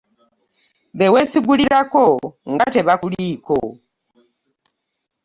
Be weesigulirako nga tebakuliiko!